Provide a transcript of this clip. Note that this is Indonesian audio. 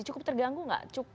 cukup terganggu tidak